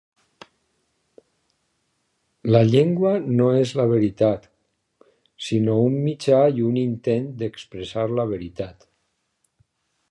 La llengua no és la veritat, sinó un mitjà i un intent d'expressar la veritat.